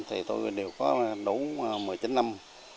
thì tôi đều có đủ một mươi chín năm